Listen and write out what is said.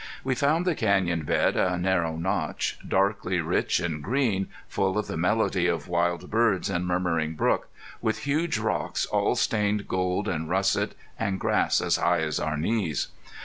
We found the canyon bed a narrow notch, darkly rich and green, full of the melody of wild birds and murmuring brook, with huge rocks all stained gold and russet, and grass as high as our knees.